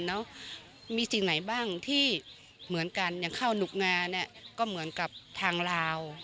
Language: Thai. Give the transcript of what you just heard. แล้วมีสิ่งไหนบ้างที่เหมือนกันอย่างข้าวหนุกงาเนี่ยก็เหมือนกับทางลาว